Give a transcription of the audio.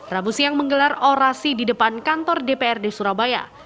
rabu siang menggelar orasi di depan kantor dprd surabaya